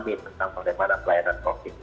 jadi itu yang saya ingin memberikan